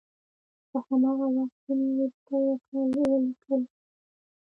په هماغه وخت کې مې ورته ولیکل.